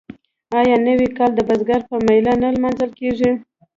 آیا نوی کال د بزګر په میله نه لمانځل کیږي؟